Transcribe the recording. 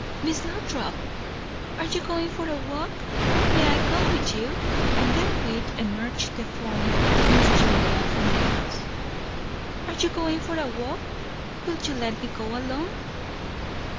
"Miss Lothrop! are you going for a walk? may I come with you?" and therewith emerged the form of Miss Julia from the house. "Are you going for a walk? will you let me go along?"